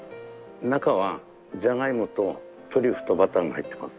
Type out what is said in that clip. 中はジャガイモとトリュフとバターが入ってます。